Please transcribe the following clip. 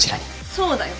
そうだよ。